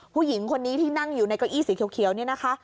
ผู้หญิงคนนี้ที่นั่งอยู่ในเก้าอี้สีเขียวนี่นะคะ